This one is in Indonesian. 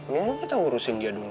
mungkin kita urusin dia dulu nih